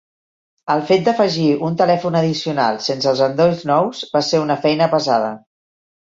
El fet d'afegir un telèfon addicional sense els endolls nous va ser una feina pesada.